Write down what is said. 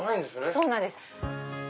そうなんです。